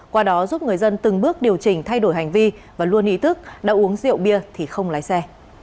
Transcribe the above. qua đó giúp người dân từng bước điều chỉnh thay đổi hành vi và luôn ý thức đã uống rượu bia thì không lái xe